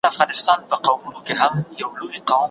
ساینس پوهان به نور نوي ماشینونه هم جوړ کړي.